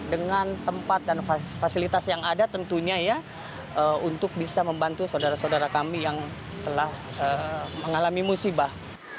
dengan tempat dan fasilitas yang ada tentunya ya untuk bisa membantu saudara saudara kami yang telah mengalami musibah